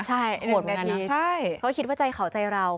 ใช่หนึ่งนาทีใช่เขาคิดว่าใจเขาใจเรา